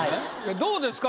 どうですか？